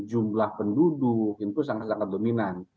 jumlah penduduk itu sangat sangat dominan